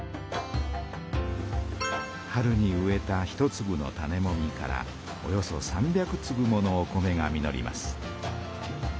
春に植えた１つぶの種もみからおよそ３００つぶものお米が実ります。